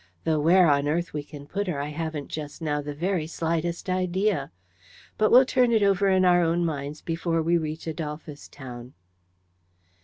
Though where on earth we can put her, I haven't just now the very slightest idea. But we'll turn it over in our own minds before we reach Adolphus Town."